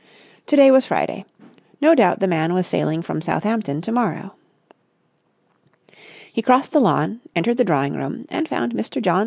To day was Friday; no doubt the man was sailing from Southampton to morrow. He crossed the lawn, entered the drawing room, and found Mr. Jno.